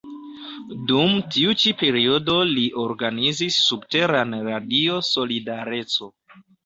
Dum tiu ĉi periodo li organizis subteran Radio Solidareco.